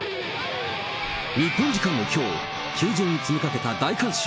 日本時間のきょう、球場に詰めかけた大観衆。